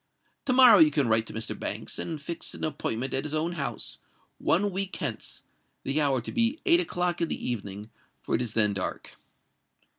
To morrow you can write to Mr. Banks, and fix an appointment at his own house—one week hence—the hour to be eight o'clock in the evening, for it is then dark."